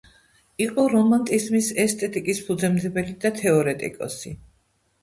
იყო რომანტიზმის ესთეტიკის ფუძემდებელი და თეორეტიკოსი.